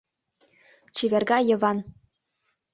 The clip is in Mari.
Чеверга Йыван